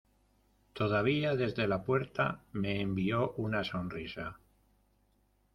todavía desde la puerta me envió una sonrisa.